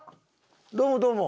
どうもどうも。